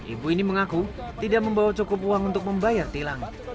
ibu ini mengaku tidak membawa cukup uang untuk membayar tilang